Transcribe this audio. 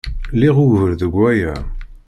Liɣ ugur deg waya.